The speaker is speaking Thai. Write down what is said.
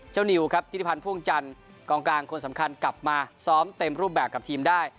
นิวครับธิริพันธ์พ่วงจันทร์กองกลางคนสำคัญกลับมาซ้อมเต็มรูปแบบกับทีมได้